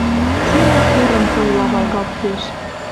Цилӓ курым тылла валгалт кеш.